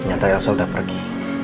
nyata elsa udah pergi